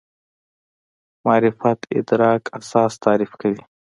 معرفت ادراک اساس تعریف کوي.